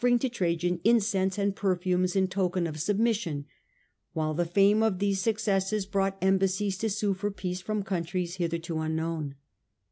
ing to Trajan'incense and perfumes in token of submission, while the fame of these successes brought embassies to sue for peace from countries hitherto unknown.